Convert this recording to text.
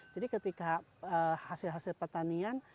jadi ketika hasil hasil pertanian